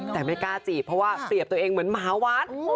แต่ไม่กล้าจีบเพราะว่าเสียบตัวเองเหมือนหมาวัด